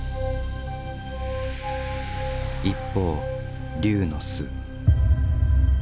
一方龍の巣。